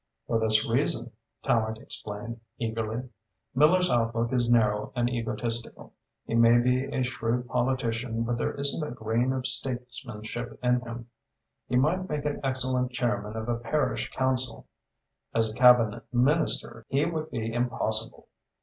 "For this reason," Tallente explained eagerly. "Miller's outlook is narrow and egotistical. He may be a shrewd politician, but there isn't a grain of statesmanship in him. He might make an excellent chairman of a parish council. As a Cabinet Minister he would be impossible."